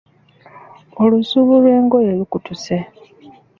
Olusuubo lw'engoye lukutuse.